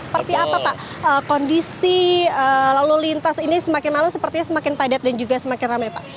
seperti apa pak kondisi lalu lintas ini semakin malam sepertinya semakin padat dan juga semakin ramai pak